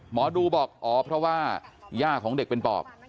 หมอดูบอกอ๋อเพราะว่าย่าของเด็กเป็นปอบ